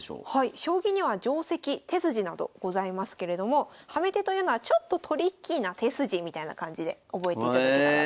将棋には定跡手筋などございますけれどもハメ手というのはちょっとトリッキーな手筋みたいな感じで覚えていただけたらと。